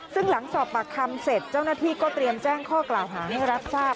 ซึ่งหลังสอบปากคำเสร็จเจ้าหน้าที่ก็เตรียมแจ้งข้อกล่าวหาให้รับทราบ